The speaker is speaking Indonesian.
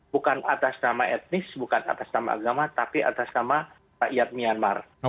bukan atas nama etnis bukan atas nama agama tapi atas nama rakyat myanmar